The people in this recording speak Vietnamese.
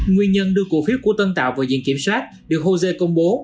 nguyên nhân đưa cổ phiếu của tân tạo vào diện kiểm soát được hồ dê công bố